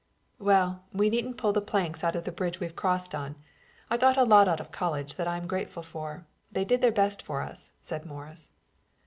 "Well, we needn't pull the planks out of the bridge we've crossed on. I got a lot out of college that I'm grateful for. They did their best for us," said Morris.